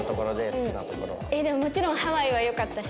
もちろんハワイはよかったし。